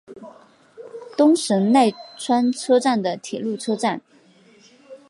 东神奈川车站的铁路车站。